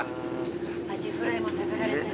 アジフライも食べられたし。